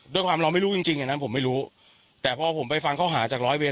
ด้วยความรอไม่รู้จริงอย่างนั้นผมไม่รู้แต่พอผมไปฟังเขาหาจากร้อยเวน